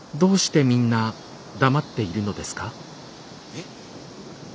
えっ。